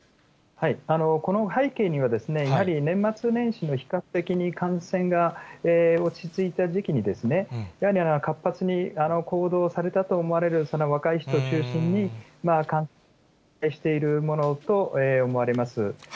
この背景には、やはり年末年始の比較的に感染が落ち着いた時期に、やはり活発に行動されたと思われる、若い人を中心に、感染しているものと思われます。